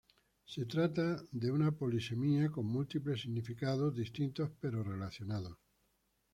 Se trata de una polisemia con múltiples significados distintos pero relacionados.